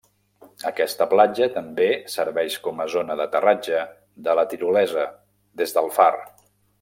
Aquesta platja també serveix com a zona d'aterratge de la tirolesa, des del far.